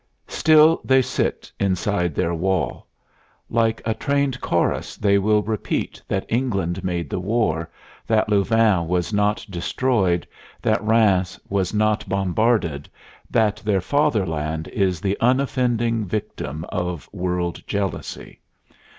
Still they sit inside their wall. Like a trained chorus they still repeat that England made the war, that Louvain was not destroyed, that Rheims was not bombarded, that their Fatherland is the unoffending victim of world jealousy.